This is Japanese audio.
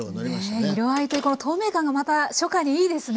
ねえ色合いでこの透明感がまた初夏にいいですね。